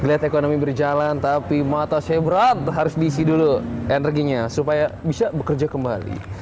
lihat ekonomi berjalan tapi mata saya berat harus diisi dulu energinya supaya bisa bekerja kembali